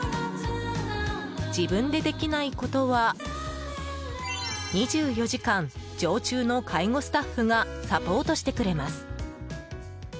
自分でできないことは２４時間常駐の介護スタッフがサポートしてくれます。